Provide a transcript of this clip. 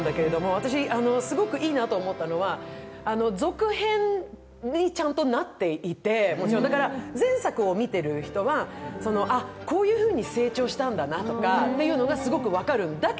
私すごくいいなと思ったのは、続編にちゃんとなっていて、前作を見てる人は、こういうふうに成長したんだなとか、すごく分かる。